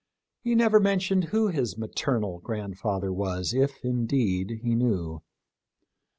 He never mentioned who his maternal grandfather was, if indeed he knew.